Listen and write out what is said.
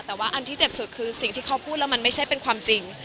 แต่ว่าอันที่เจ็บสุดคือสิ่งที่เขาพูดแล้วมันไม่ใช่เป็นความจริง